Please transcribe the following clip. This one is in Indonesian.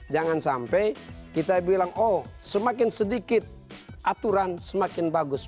jangan sampai kita bilang oh semakin sedikit aturan semakin bagus